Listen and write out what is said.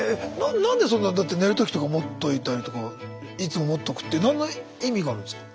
何でそんなだって寝る時とか持っといたりとかいつも持っとくって何の意味があるんですか？